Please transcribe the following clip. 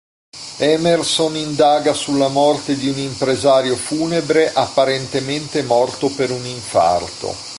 Emerson indaga sulla morte di un impresario funebre apparentemente morto per un infarto.